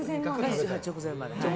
直前まで。